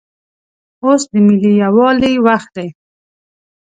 اوس دملي یووالي وخت دی